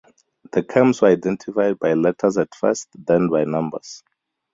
The camps were identified by letters at first, then by numbers.